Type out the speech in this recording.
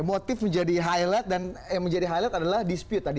yang menjadi highlight adalah dispute tadi